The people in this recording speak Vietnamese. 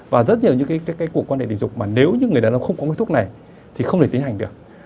và rất nhiều những cái cuộc quan hệ tình dục mà nếu như người đàn ông không có cái thuốc này thì không thể tiến hành được